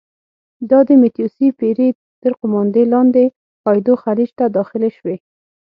دا د متیو سي پیري تر قوماندې لاندې ایدو خلیج ته داخلې شوې.